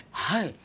はい。